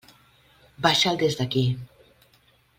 Baixa'l des d'aquí.